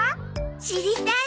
知りたい？